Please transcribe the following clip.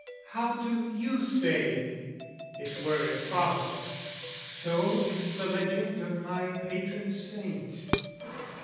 How do you say? It were improbable; So is the legend of my patron saint.